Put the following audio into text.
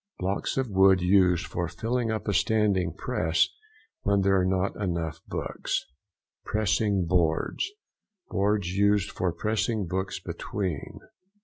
—Blocks of wood used for filling up a standing press when there are not enough books. PRESSING BOARDS.—Boards used for pressing books between.